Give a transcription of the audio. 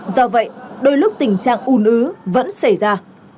do vậy đôi lúc tình trạng ưu nứ vẫn xảy ra